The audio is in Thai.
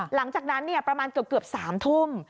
หลังจากนั้นประมาณเกือบ๓ทุ่ม